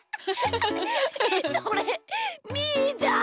それみーじゃん！